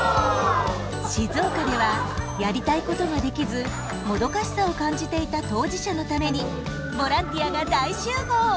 静岡ではやりたいことができずもどかしさを感じていた当事者のためにボランティアが大集合。